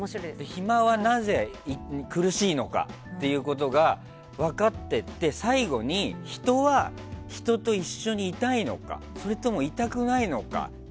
暇はなぜ苦しいのかっていうことが分かっていって最後に人は人と一緒にいたいのかそれともいたくないのか。